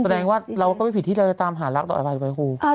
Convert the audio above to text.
แสดงว่าเราก็ไม่ผิดที่เลยตามหารักต่อไปไปไปครู